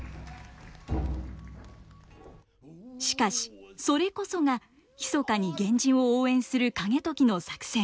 しかしそれこそが密かに源氏を応援する景時の作戦。